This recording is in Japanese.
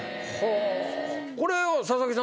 これ佐々木さん